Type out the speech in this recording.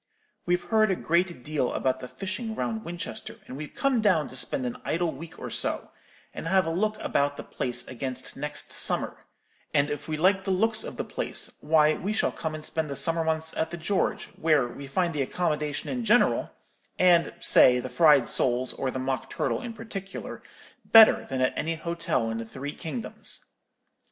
We've heard a great deal about the fishing round Winchester; and we've come down to spend an idle week or so, and have a look about the place against next summer; and if we like the looks of the place, why, we shall come and spend the summer months at the George, where we find the accommodation in general, and say the fried soles, or the mock turtle, in particular, better than at any hotel in the three kingdoms.